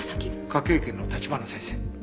科警研の橘先生。